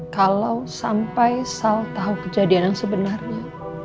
kalau sampai sal tahu kejadian yang sebenarnya